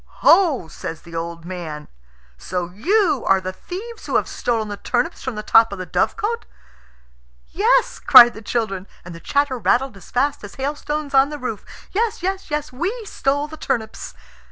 "Ho," says the old man, "so you are the thieves who have stolen the turnips from the top of the dovecot?" "Yes," cried the children, and the chatter rattled as fast as hailstones on the roof. "Yes! yes! yes! We stole the turnips."